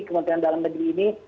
kementerian dalam negeri ini